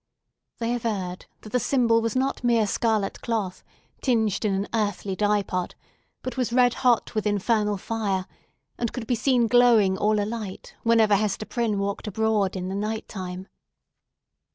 They averred that the symbol was not mere scarlet cloth, tinged in an earthly dye pot, but was red hot with infernal fire, and could be seen glowing all alight whenever Hester Prynne walked abroad in the night time.